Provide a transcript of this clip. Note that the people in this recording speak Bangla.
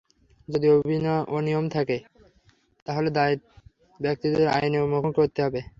যদি অনিয়ম হয়ে থাকে, তাহলে দায়ী ব্যক্তিদের আইনের মুখোমুখি করতে হবে।